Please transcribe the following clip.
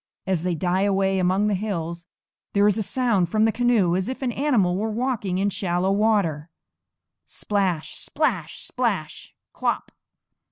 As they die away among the hills there is a sound from the canoe as if an animal were walking in shallow water, _splash, splash, splash, klop!